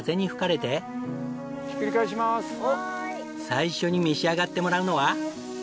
最初に召し上がってもらうのは。